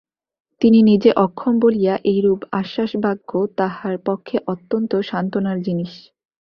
তিনি নিজে অক্ষম বলিয়া এইরূপ আশ্বাসবাক্য তাঁহার পক্ষে অত্যন্ত সান্ত্বনার জিনিস।